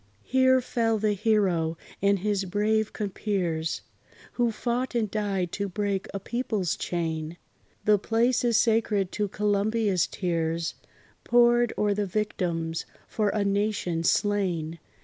Here fell the hero and his brave compeers, Who fought and died to break a people's chain: The place is sacred to Columbia's tears. Poured o'er the victims for a nation slain.